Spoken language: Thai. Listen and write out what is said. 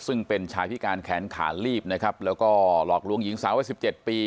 ซึ่งเป็นชายพิการแขนขาลีบนะครับแล้วก็หลอกลวงหญิงสาววัยสิบเจ็ดปี